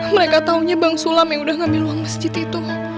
mereka taunya bang sulam yang udah ngambil uang masjid itu